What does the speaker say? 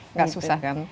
nggak susah kan